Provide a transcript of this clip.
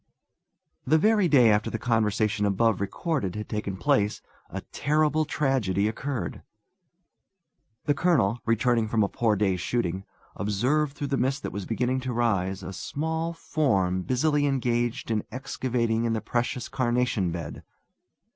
The very day after the conversation above recorded had taken place a terrible tragedy occurred. The colonel, returning from a poor day's shooting, observed through the mist that was beginning to rise a small form busily engaged in excavating in the precious carnation bed.